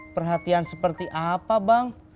perhatian seperti apa bang